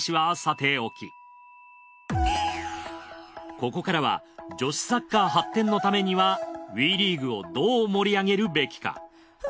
ここからは女子サッカー発展のためにはＷＥリーグをどう盛り上げるべきか。